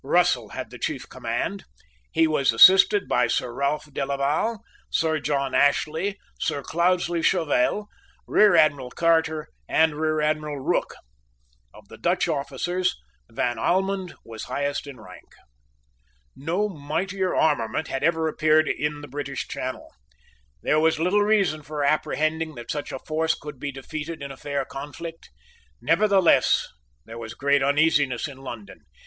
Russell had the chief command. He was assisted by Sir Ralph Delaval, Sir John Ashley, Sir Cloudesley Shovel, Rear Admiral Carter, and Rear Admiral Rooke. Of the Dutch officers Van Almonde was highest in rank. No mightier armament had ever appeared in the British Channel. There was little reason for apprehending that such a force could be defeated in a fair conflict. Nevertheless there was great uneasiness in London.